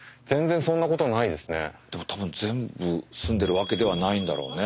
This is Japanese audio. でも多分全部住んでるわけではないんだろうね。